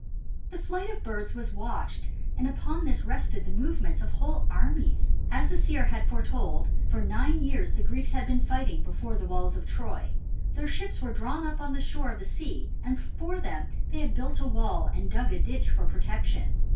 The flight of birds was watched and upon this rested often the movements of whole armies. As the seer had foretold for nine years the Greeks had been fighting before the walls of Troy; their ships were drawn up on the shore of the sea and before them they had built a wall and dug a ditch for protection.